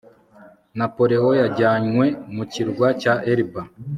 napoleon yajyanywe mu kirwa cya elba